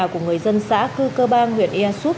của người dân xã cư cơ bang huyện ia súp